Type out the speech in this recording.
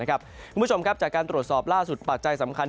คุณผู้ชมครับจากการตรวจสอบล่าสุดปัจจัยสำคัญ